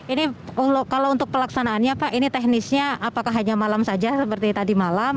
ini kalau untuk pelaksanaannya pak ini teknisnya apakah hanya malam saja seperti tadi malam